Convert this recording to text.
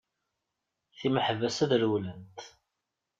Timeḥbas ad rewwlent!